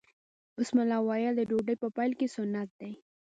بسم الله ویل د ډوډۍ په پیل کې سنت دي.